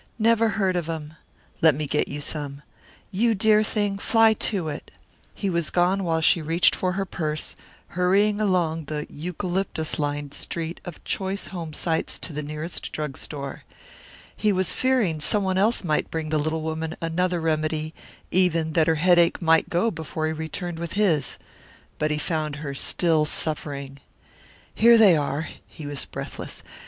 "Never heard of 'em." "Let me get you some." "You dear thing, fly to it!" He was gone while she reached for her purse, hurrying along the eucalyptus lined street of choice home sites to the nearest drug store. He was fearing someone else might bring the little woman another remedy; even that her headache might go before he returned with his. But he found her still suffering. "Here they are." He was breathless.